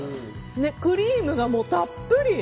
クリームがもうたっぷり！